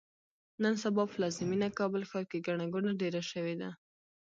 نن سبا پلازمېینه کابل ښار کې ګڼه ګوڼه ډېره شوې ده.